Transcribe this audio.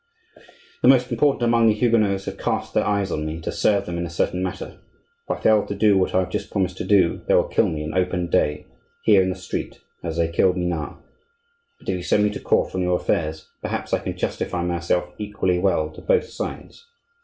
"The most powerful among the Huguenots have cast their eyes on me to serve them in a certain matter; if I fail to do what I have just promised to do, they will kill me in open day, here in the street, as they killed Minard. But if you send me to court on your affairs, perhaps I can justify myself equally well to both sides.